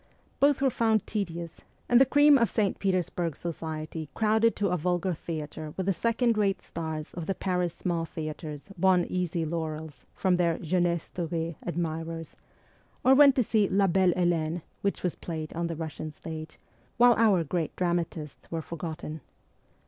Both were found ' tedious,' and the cream of St. Petersburg society crowded to a vulgar theatre where the second rate stars of the Paris small theatres won easy laurels from their jeunesse doree admirers, or went to see ' La Belle Helene,' which was played on the Russian stage, while our great dramatists were forgotten.